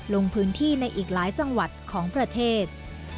ลงพื้นที่ในอีกหลายจังหวัดของประเทศ